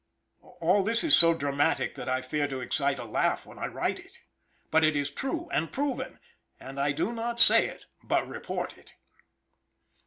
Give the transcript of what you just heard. All this is so dramatic that I fear to excite a laugh when I write it. But it is true and proven, and I do not say it but report it.